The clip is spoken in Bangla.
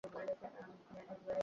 দেখ সুলতান, অনেক দেখেছি তোর এই নাটক।